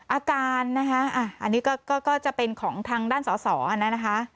อาการนะฮะอันนี้ก็เป็นของทางด้านสาวอันนั้นนะฮะ